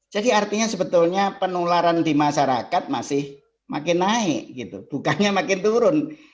jadi artinya sebetulnya penularan di masyarakat masih makin naik gitu bukannya makin turun